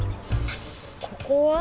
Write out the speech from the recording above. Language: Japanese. ここは？